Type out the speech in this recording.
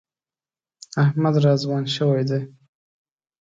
احمد را ځوان شوی دی.